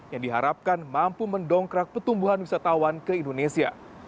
yang diharapkan mampu mendongkrak pertumbuhan wisatawan ke indonesia